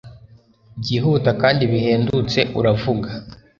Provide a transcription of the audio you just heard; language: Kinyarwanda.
Byihuta kandi bihendutse uravuga